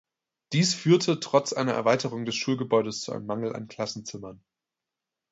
Dies führte trotz einer Erweiterung des Schulgebäudes zu einem Mangel an Klassenzimmern.